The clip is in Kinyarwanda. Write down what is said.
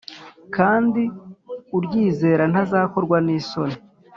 kandi uryizera ntazakorwa n’isoni